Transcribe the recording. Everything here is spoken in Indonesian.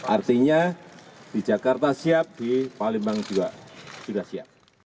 artinya di jakarta siap di palembang juga sudah siap